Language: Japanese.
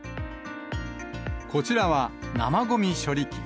こちらは、生ごみ処理機。